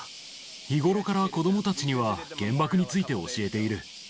日頃から子どもたちには、原爆について教えている。